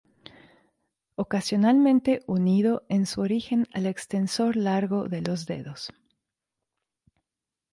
Ocasionalmente unido en su origen al extensor largo de los dedos.